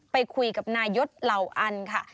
ไปคุยกับนายศเหล่าอันค่ะ